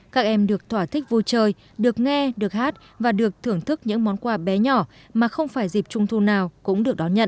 các em được thỏa thích vui chơi được nghe được hát và được thưởng thức những món quà bé nhỏ mà không phải dịp trung thu nào cũng được đón nhận